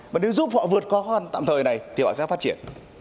mà nếu giúp họ vượt qua khó khăn tạm thời này thì họ sẽ phát triển